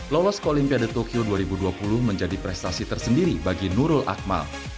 lolos ke olimpiade tokyo dua ribu dua puluh menjadi prestasi tersendiri bagi nurul akmal